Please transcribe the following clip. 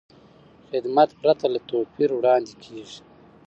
خدمت پرته له توپیر وړاندې کېږي.